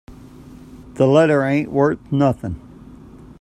The letter ain't worth nothing.